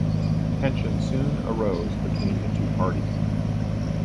Tensions soon arose between the two parties.